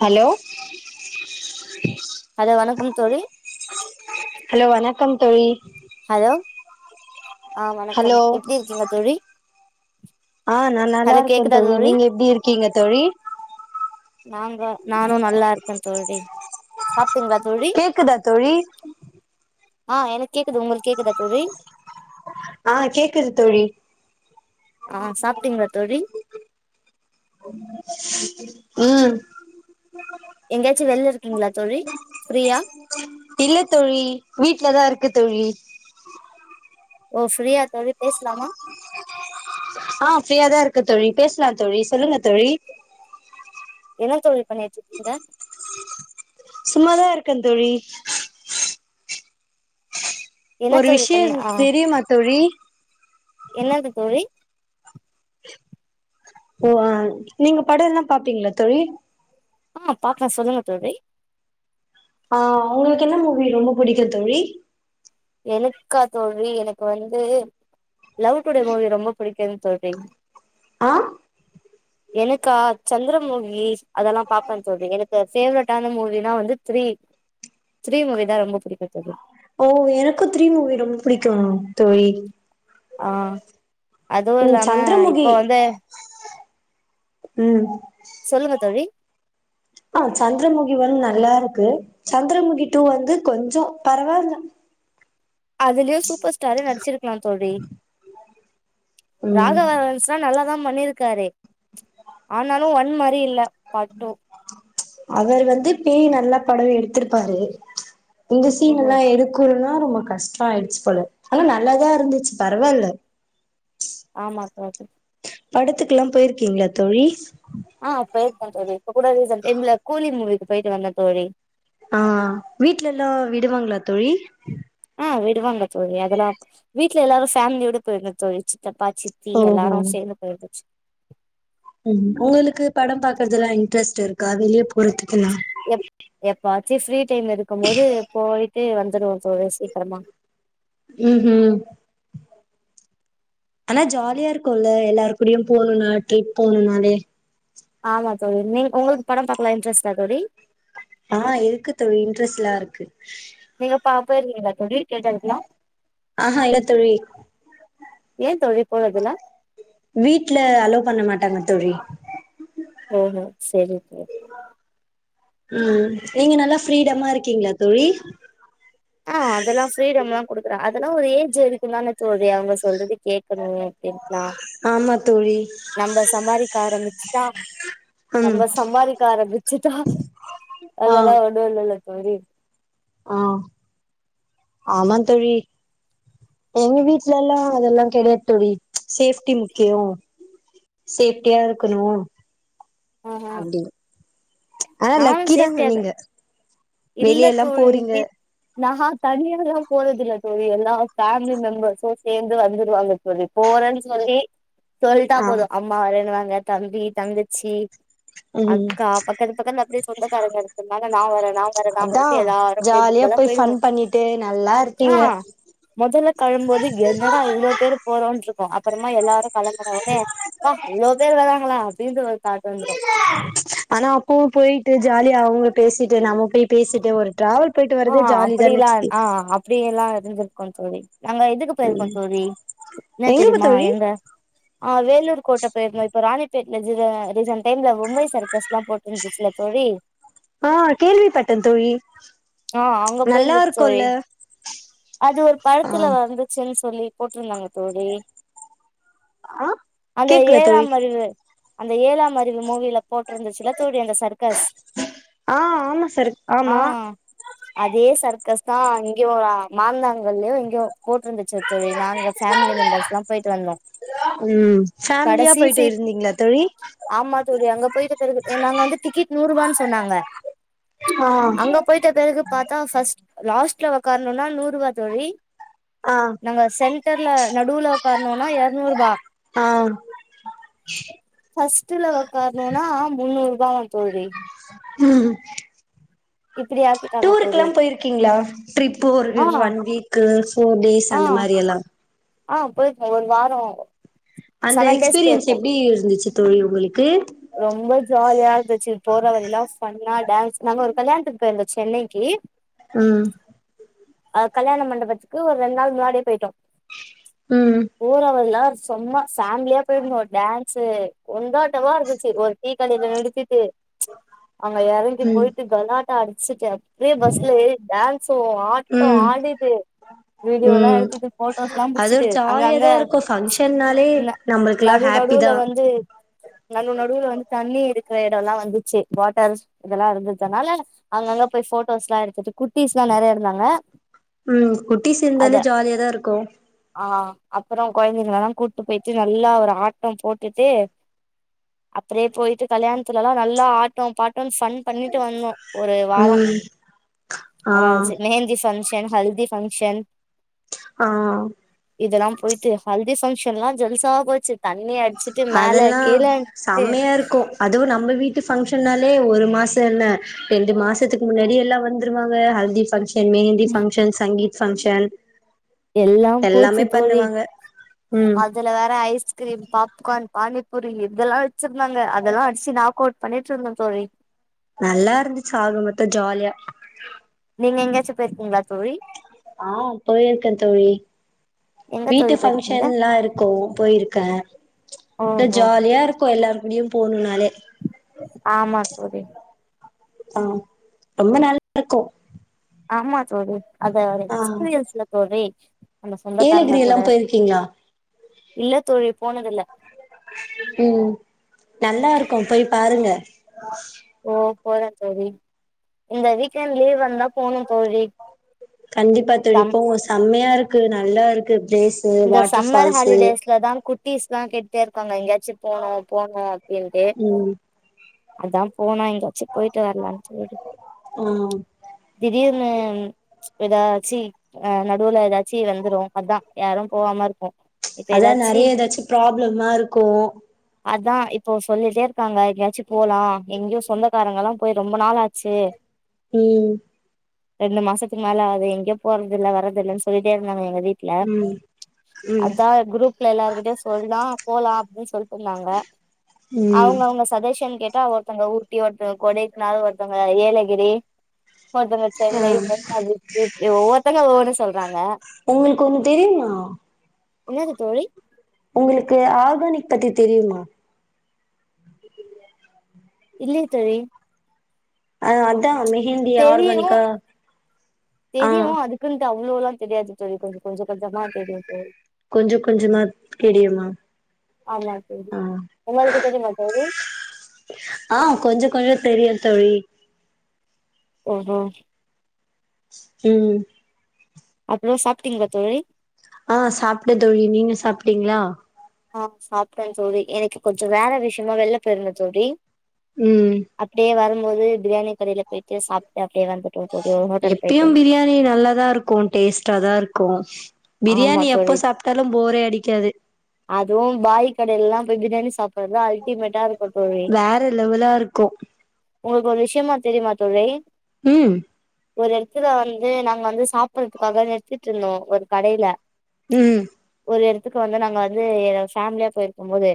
hello hello வணக்கம் தோழி hello வணக்கம் தோழி ஹலோ ஆ வணக்கம் ஹலோ எப்டி இருக்கீங்க தோழி ஆ நா நல்லா ஹலோ இருக்க கேக்குதா தோழி நீங்க எப்டி இருக்கீங்க தோழி நாங்க நானு நல்லா இருக்க தோழி சாப்டீங்ளா தோழி கேக்குதா தோழி ஆ எனக் கேக்குது உங்களுக்கு கேக்குதா தோழி ஆ கேக்குது தோழி ஆ சாப்டீங்களா தோழி ம் எங்கெயாச்சு வெளில இருக்கீங்களா தோழி ஃப்ரீயா இல்ல தோழி வீட்லதா இருக்கு தோழி ஓ ஃப்ரீயா தோழி பேச்லாமா ஆ ஃப்ரீயா தா இருக்க தோழி பேச்லா தோழி சொல்லுங்க தோழி என்ன தோழி பண்ணிட்ருக்கீங்க சும்மாதா இருக்கே தோழி என்ன ஒரு தோழி விஷய பண்ண ஆ தெரியுமா தோழி என்னது தோழி ஓ அ நீங்க படொ எல்லா பாப்பீங்களா தோழி ஆமா பாப்பே சொல்லுங்க தோழி ஆ உங்களுக்கு என்ன மூவி ரொம்ப பிடிக்கு தோழி எனக்கா தோழி எனக்கு வந்து லவ் டுடே மூவி ரொம்ப பிடிக்கு தோழி ஆ எனக்கா சந்திர மூவிஸ் அதெல்லா பாாப்பே தோழி எனக்கு ஃபேவரட்டான மூவினா வந்து த்ரீ த்ரீ மூவிதா ரொம்ப பிடிக்கு தோழி ஓ எனக்கு த்ரீ மூவி ரொம்ப பிடிக்கு தோழி ஆ அதுவு ம் இல்லாம இப்ப சந்திரமுகி வந்து ம் சொல்லுங்க தோழி ஆ சந்திரமுகி ஒன் நல்லா இருக்கு சந்திரமுகி டூ வந்து கொஞ்சோ பரவால்ல அதுலயு சூப்பர் ஸ்டாரே நடிச்சிருக்கலா தோழி ம் ராகவா லாரன்ஸ் எல்லா நல்லாதா பண்ணிருக்காரு ஆனாலு ஒன் மாரி இல்ல பார்ட் டூ அவர் வந்து பேய் நல்லா படம் எடுத்திருப்பாரு இந்த சீன் ஓஹோ எல்லா எடுக்குணுன்னா ரொம்ப கஷ்டோ ஆயிடுச்சு போல ஆனா நல்லாதா இருந்துச்சு பரவால்ல ஆ மாத்தாது படத்துக்குலா போயிருக்கீங்களா தோழி ஆ போயிருக்கே தோழி இப்ப கூட ரீசன்ட் டைம்ல கூலி மூவிக்கு போயிட்டு வந்தே தோழி ஆ வீட்ல எல்லாம் விடுவாங்களா தோழி ஆ விடுவாங்க தோழி அதெல்லா வீட்ல எல்லாரு ஃபேமிலியோட போயிருந்தோ தோழி சித்தப்பா சித்தி ஓஹோ எல்லாரு சேர்ந்து போயிருந்துச்சு ம் உங்களுக்கு படம் பாக்குறது எல்லாம் இன்ட்ரெஸ்ட் இருக்கா வெளியே போறதுக்கெல்லா எப் எப்பாச்சு ஃப்ரீ டைம் இருக்கும் போது போயிட்டு வந்துடுவோ தோழி சீக்கிரமா ஹ் ஹ் ம் ஆனா ஜாலியா இருக்குல்ல எல்லாரு கூடய போணும்னா ட்ரிப் போணுன்னாலே ஆமா தோழி நீங்க உங்களுக்கு படம் பாக்கலா இன்ட்ரெஸ்டா தோழி ஆ இருக்கு தோழி இன்ட்ரெஸ்ட்லா இருக்கு நீங்க பாப்ப இருந்தீங்களா தோழி கேட்டதுக்லா ஆஹ இல்ல தோழி ஏ தோழி போல அதுல வீட்ல அலோ பண்ண மாட்டாங்க தோழி ஓ ஹோ சரி போ ம் நீங்க நல்லா ஃப்ரீடமா இருக்கீங்களா தோழி ஆ அதெல்லா ஃப்ரீடம்லா கொடுக்குறே அதெல்லா ஒரு ஏஜ் இருக்குந் தான தோழி அவங்க சொல்றது கேட்கணு அப்டிண்ட்லா ஆமா தோழி நம்ம சம்பாதிக்க ஆரம்பிச்ச்சுட்டா ம் நம்ப சம்பாதிக்க ஆரம்பிச்சுட்டா ஆ அதெல்லா ஒண்ணு இல்லல்ல தோழி ஆ ஆமா தோழி எங்க வீட்ல எல்லா அதெல்லா கிடையாது தோழி சேஃப்டி முக்கியோ சேஃப்ட்டியா இருக்கணு ஆ ஆ அப்டின்னு ஆனா நானு லக்கி தாங்க சேஃப்டியா தா நீங்க இல்ல வெளியல்லா தோழி போறீங்க [unintelligible] நாஹா தனியால்லா போறதில்ல தோழி எல்லா ஃபேமிலி மெம்பர்ஸு சேர்ந்து வந்துருவாங்க சொல்லி போறேன்னு சொல்லி சொல்லிட்டா ஆ போது அம்மா வரன்னுவாங்க தம்பி தங்கச்சி ம் அக்கா பக்கத்து பக்கத்து அப்டியே சொந்த காரங்க இருக்கறதுனால நான் வரே நா எல்லா அதா பங்ஷன்க்கு எல்லாரு சேந்து ஜாலியா கும்பல்லா போய் ஃபன் போயிருவம் பண்ணிட்டு நல்லா ஆ இருக்கீங்க முதல்ல களம்போது என்னடா இவ்வளோ பேர் போறோன்ட்டு இருக்கு அப்புறமா எல்லாரு களம்பன உன்னே அப்பா இவ்ளோ பேர் வராங்களா அப்டின்ற ஒரு தாட்டு வந்துரும் ஆனா அப்பவு போய்ட்டு ஜாலியா அவங்க பேசிட்டு நம்ம போய் பேசிட்டு ஒரு ட்ராவல் ஆ அப்டிலா இல் ஆ அஹ் அப்படியெல்லா இருந்திருக்கோ தோழி நாங்க எதுக்கு போயிருக்கோ தோழி என்ன எங்க தெரியுமா தோழி எங்க ஆ வேலூர் கோட்ட போயிருந்த இப்போ ராணிப்பேட்ல ஜீர ரீசன்் டைம்ல மும்பை சர்க்கஸ் எலாம் போட்ருந்துச்சுல தோழி ஆ கேள்வி பட்ட தோழி ஆ அங்க நல்லா போயிருந்த தோழி இருக்குல்ல அது ஒரு ஆ படத்துல வந்துச்சுன் சொல்லி போட்ருந்தாங்க தோழி ஆ அந்த கேக்கல தோழி ஏழாம் அறிவு அந்த ஏழாம் அறிவு மூவில போட்ருந்துச்சுல தோழி அந்த சர்க்கஸ் ஆ ஆமா சருக் ஆ ஆமா அதே சர்க்கஸ் தா அங்கயோ மாங்காங்கல்லு இங்கயோ போட்ருந்துச்சு சரி தோழி நாங்க பேமிலி மெம்பர்ஸ்ல்லா போய்ட்டு வந்தோ ம் ஃபேமிலியா கடைசி போய்ட்டு சீட் இருந்தீங்களா தோழி ழி ஆமா தோழி அங்க போய்ட்டு பெறகு நாங்க வந்து டிக்கெட் நூறுபான் சொன்னாங்க ஆ அங்க போயிட்டபெறகு பாத்தா ஃபர்ஸ்ட் லாஸ்ட்ல உக்காரணுனா நூறுபா தோழி ஆ நாங்க சென்டர்ல நடுவுல உக்காரணுனா இரநூறுபா ஆ ஃபர்ஸ்ட்ல உக்காரணுனா முன்னூறுபாயா தோழி ம் இப்டியாக்கு டூருக்கெல்லா போய்ருக்கீங்களா ட்ரிப்பு ஒரு ஆ ஒன் வீக்கு ஃபோர் டேஸ் ஆ அந்த மாரி எல்லா ஆ போயிருக்கங்க ஒரு வார அந்த எக்ஸ்பீரியன்ஸ் எப்டி இருந்துச்சு தோழி உங்களுக்கு ரொம்ப ஜாலியா இருந்துச்சு போறவழி எல்லா ஃபன்னா டான்ஸ் நாங்க ஒரு கல்யாணத்துக்கு போயிருந்தோ சென்னைக்கு ம் அ கல்யாண மண்டபத்துக்கு ஒரு ரெண்டு நாள் முன்னாடியே போய்ட்டோ ம் ஊரவல்லா சும்மா ஃபேமிலியா போயிருதோ டான்ஸு ஒண்டாட்டமா இருந்துச்சு ஒரு டீ கடைல நிறுத்திட்டு அங்க இறங்கி ம் போய்ட்டு கலாட்டா அடிச்சுட்டு அப்டியே பஸ்ல ஏறி டான்ஸு ஆ ஓ ம் ஆடுது வீடியோலா ம் எடுத்துட்டு ஃபோட்டோஸ்லா அது ஒரு புடிச்சிட்டு அங்க அங்க ஜாலியாதா இருக்கு ஃபங்க்ஷன்னாலே நம்மளுக்குல்லா நடு ஹாப்பி தா நடுவ்ல வந்து நடுவ் நடுவுல வந்து தண்ணி இருக்கிற எடல்லா வந்துச்சு வாட்டர்ஸ் இதெல்லா இருந்ததுனால அங்கங்க போய் ஃபோட்டோஸ்லா எடுத்துட்டு குட்டிஸ்லா நெறய இருந்தாங்க ம் குட்டிஸ் அத இருந்தாலே ஜாலியாதா இருக்கு ஆ அப்பற கொழந்தைங்களல்லா கூட்டு போய்ட்டு நல்லா ஒரு ஆட்டம் போட்டுட்டு அப்டியே போய்ட்டு கல்யாணத்துலலா நல்லா ஆட்டோ பாட்டோ சன் பண்ணிட்டு வந்தோ ஒரு வார ம் ஆ அதாச்சு மேந் ஃப்ங்ஷன் ஹல்தி ஃப்ங்ஷன் ஆ இதெல்லா போய்ட்டு ஹல்தி ஃபங்க்ஷன்லா ஜல்சாவா போச்சு தண்ணி அடிச்சிட்டு மேல கீழண்ட்டு யயாருக்கோ அதுவு நம்ம வீட்டு ஃபங்க்ஷனாலே ஒரு மாச இல்ல ரெண்டு மாசத்துக்கு முன்னாடி எல்லா வந்துருவாங்க ஹல்தி ஃபங்க்ஷ ன் மெஹந்தி ஃபங்க்ஷன் சங்கீத் ஃபங்க்ஷன் எல்லாம் போச்சு எல்லாமே தோழி பண்ணுவாங்க ம் அத் இதுல வேற ஐஸ்கிரீம் பாப்கார்ன் பானிபூரி இதெல்லா வெச்சிருந்தாங்க அதெல்லா அடிச்சு நாக்கவுட் பண்ணிட்ருந்த தோழி நல்லா இருந்துச்சு ஆக மொத்தோ ஜாலியா நீங்க எங்கயாச்சு போயிருக்கீங்ளா தோழி ஆ போயிருக்க தோழி எங்க வீட்டு தோழி போயிருக்கீங்க ஃபங்க்ஷன்லா இருக் க்கு போயிருக்க இந்த ஓஹோ ஜாலியா இருக்கு எல்லார் கூடயு போணுனாலே ஆமா தோழி ஆ ரொம்ப நல் [inaudible] இருக்கு ஆமா தோழி அத ஒரு ஆ எக்ஸ்பீரியன்ஸ்ல தோழி நம்ம சொந்தக்காரங்க ஏலகிரி எல்லா கூட போயிருக்கீங்ளா இல்ல தோழி போனதில்ல ம் நல்லாருக்கு போய் பாருங்க ஓ போறே தோழி இந்த வீக்கெண்ட் லீவ் வந்தா போனு தோழி கண்டிப்பா தோழி சம் போவோ செம்மையா இருக்கு நல்லா இருக்கு பிளேஸ் இந்த சம்மர் ஹாலிடேஸ்ல தா குட் டீஸ்லா கேட்டுட்டே இருக்காங்க எங்கேயாச்சு போணு போணு அப்டின்ட்டு ம் அதா போனா எங்காச்சு போய்ட்டு வரலான் சொல்லிட்டு ஆ திடீர்னு எதாச்சி அ நடுவுல எதாச்சி வந்துரு அதா யாரு போவாம இருப்போ அதா நெறைய எதாச்சு ப்ராப்ளமா இருக்கு அதா இப்போ சொல்லிட்டே இருக்காங்க எங்கயாச்சு போலா எங்கயு சொந்தக்காரங்கலா போய் ரொம்ப நாள் ஆச்சு ம் ரெண்டு மாசத்துக்கு மேல ஆவுது எங்கயு போறதில்ல வர்றதில்லன் சொல்லிட்டே இருந்தாங்க எங்க வீட்ல ம் ம் அதா குரூப்ல எல்லாருகிட்டயு சொல்லா போலா அப்டின் சொல்ட்டு இருந்தாங்க ம் அவ்ங்க அவ்ங்க சஜஷன் கேட்டா ஒருத்தங்க ஊட்டி ஒருத்தங்க கொடைக்கனல் ஒருத்தங்க ஏலகிரி ஒருத்தங்க ஆ சென்னை மெரினா பீச்சு ஏ ஒவ்வொருத்தங்க ஒவ்வொன்னு சொல்றாங்க ஒங்களுக்கு ஒன்னு தெரியுமா என்னது தோழி உங்களுக்கு ஆர்கானிக் பத்தி தெரியுமா இல்லயே தோழி ஆ அதா மெஹிந்தி தெரியு ஆர்கானிக்கா ஆ துக்குண்ட்டு அவ்ளோளா தெரியாது தோழி கொஞ்ச கொஞ்ச கொஞ்சந்தா தெரியு தோழி கொஞ்ச கொஞ்சந்தா தெரியுமா ஆமா தோழி ஆ எல்லாருக்கு தெரியுமா தோழி ஆ கொஞ்ச கொஞ்ச தெரியு தோழி ம் ம் ம் அப்றோ சாப்ட்டீங்ளா தோழி ஆ சாப்டே தோழி நீங்க சாப்ட்டீங்ளா ஆ சாப்ட்டன் தோழி எனக்கு கொஞ்சோ வேல விஷ்யமா வெள்ல போயிருந்த தோழி ம் அப்டியே வரும்போது பிரியாணி கடைல போயிட்டு சாப்ட்டு அப்டியே வந்து எப்பயும் பிரியாணி நல்லாதா இருக்கு டேஸ்ட்டாதா இருக்கு ஆமா பிரியாணி எப்ப சாப்ட்டாலும் போரே அடிக்காது அதுவும் பாய் கடைலலெல்லா போய் பிரியாணி சாப்டறது அல்டிமேட்டா தோழி வேற லெவலா இருக்கு உங்களுக்கு ஒரு விஷ்யமா தெரிமா தோழி ம் ஒரு எடத்துல வந்து நாங்க வந்து சாப்பறதுக்காக நிறுத்திட்டு இருந்தோ ஒரு கடைல ம் ஒரு எடத்துக்கு வந்து நாங்க வந்து எ ஃபேமிலியா போயிருக்கும்போது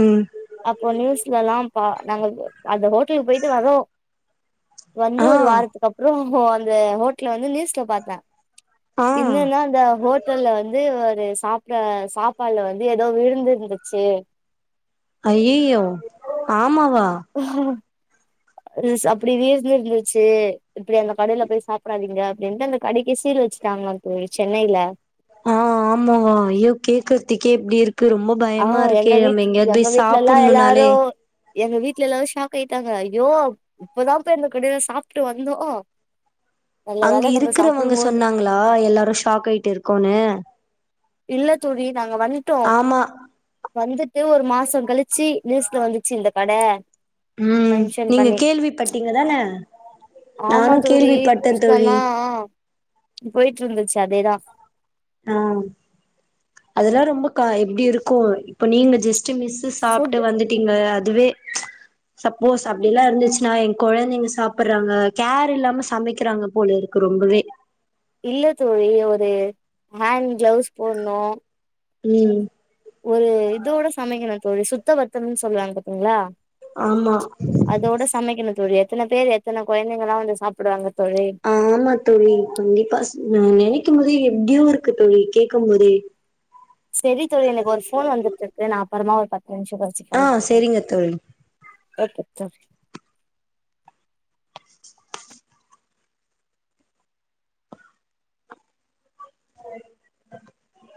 ம் அப்போ நியூஸ்லல்லா பா நாங்க அந்த ஹோட்டலுக்கு போயிட்டு வரோ வந்து ஆ ஒரு வாரத்துக்கு அப்றோ அந்த ஹோட்டல வந்து நியூஸ்ல பாத்த ஆ என்னன்னா அந்த ஹோ ட்டல்ல வந்து ஒரு சாப்ற சாப்பாட்ல வந்து எதோ விழுந்திருந்துச்சு அய்யய்யோ ஆமாவா ரீல்ஸ் அப்டி வீழ்ந்திருந்துச்சு இப்டி அந்த கடைல போய் சாப்டாதீங்க அப்டின்ட்டு அந்த கடைக்கு சீல் வெச்சுட்டாங்ளா தோழி சென்னைல ஆ ஆமா அய்யோ கேக்கறதுக்கே இப்டி இருக்கு ரொம்போ ஆ எங்க வீட் எங்க வீட்லல்லா எல்லாரு சாப்புட்ணுனாலே எங்க வீட்ல எல்லாரு ஷாக் ஆயிட்டாங்க அய்யோ இப்பதா போய் அந்த கடைல சாப்ட்டு வந்தோ நல்ல அங்க வேல நம்ம இருக்கறவங்க சாப்டும் போது சொன்னாங்ளா எல்லாரு ஷாக் ஆயிட்டு இருக்கோன்னு இல்ல தோழி நாங்க வந்ட்டோ ஆமா வந்துட்டு ஒரு மாசங் கழி ச்சி நியூஸ்ல வந்துச்சு இந்த கட ம் மென்ஷன் நீங்க பண்ணி கேள்விப்பட்டீங்க தான ஆமா நானு தோழி கேள்விப்பட்டே தோழி நியூஸ்லல்லா போயிட்டு இருந்துச்சு அதேதா ஆ அதெல்லா ரொம்ப க எப்டி இருக்கு இப்ப நீங்க ஜஸ்ட் மிஸ் இது ஃபுட் சாப்ட்டு வந்துட்டீங்கல்ல அதுவே சப்போஸ் அப்டி எல்லா இருந்துச்சுனா என் கொழந்தைங்க சாப்பறாங்க கேர் இல்லாம சமைக்கிறாங்க போலரு க்கு ரொம்பவே இல்ல தோழி ஒரு ஹேண்ட் க்ளவுஸ் போணு ம் ஒரு இதோட சமைக்கணுந் தோழி சுத்த பத்தம்னு சொல்லுவாங்க பாத்தீங்ளா ஆமா அதோட சமைக்கணு தோழி எத்தன பேர் எத்தன கொழந்தைங்கல்லா வந்து சாப்டுவாங்க தோழி ஆமா தோழி கண்டிப்பா நா நெனைக்கும்போதே எப்டியோ இருக்கு தோழி கேக்கும்போதே செரி தோழி எனக்கு ஒரு ஃபோன் வந்துட்டுருக்கு நா அப்றமா ஒரு பத்து நிமிஷோ கழிச்சு ஆ ஃபோன் பண்ற செரிங்க தோழி [unintelligible] [inaudible]